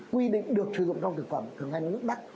quy định được sử dụng trong thực phẩm thường hay nước bắc